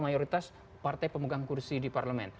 mayoritas partai pemegang kursi di parlemen